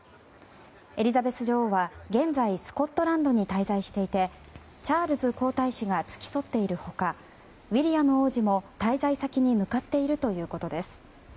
エリザベス女王は現在スコットランドに滞在していてチャールズ皇太子が付き添っている他ウィリアム王子も滞在先に向かっているということです。